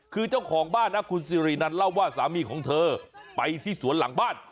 คือเจ้าของบ้านนะคุณสิรินันเล่าว่าสามีของเธอไปที่สวนหลังบ้าน